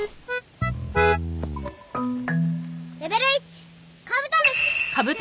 レベル１カブトムシ！